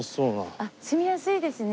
あっ住みやすいですね